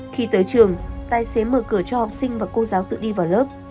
khi tới trường tài xế mở cửa cho học sinh và cô giáo tự đi vào lớp